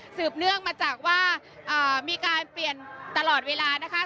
เนื่องมาจากว่ามีการเปลี่ยนตลอดเวลานะคะ